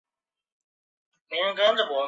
无茎粟米草为番杏科粟米草属下的一个种。